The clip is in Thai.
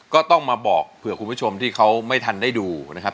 ก็ต้องมาบอกเผื่อคุณผู้ชมที่เขาไม่ทันได้ดูนะครับ